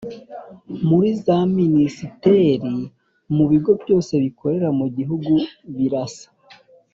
muri za Minisiteri mu bigo byose bikorera mu gihugu birasa